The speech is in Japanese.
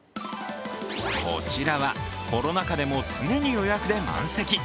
こちらは、コロナ禍でも常に予約で満席。